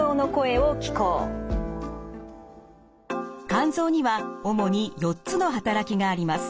肝臓には主に４つの働きがあります。